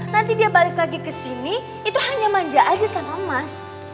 nanti dia balik lagi ke sini itu hanya manja aja sama emas